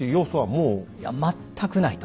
いや全くないと。